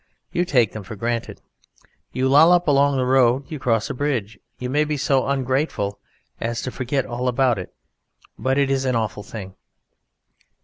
You take them for granted, you lollop along the road, you cross a bridge. You may be so ungrateful as to forget all about it, but it is an awful thing!